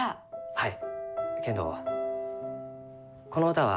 はい。